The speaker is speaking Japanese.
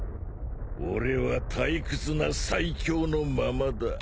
俺は退屈な最強のままだ。